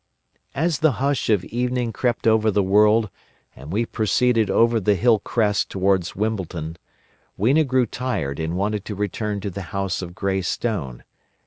_ "As the hush of evening crept over the world and we proceeded over the hill crest towards Wimbledon, Weena grew tired and wanted to return to the house of grey stone.